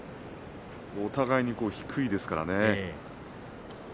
お互いに姿勢が低いですからね。